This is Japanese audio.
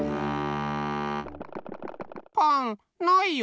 パンないよ。